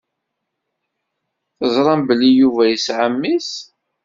Teẓṛam belli Yuba yesɛa mmi-s?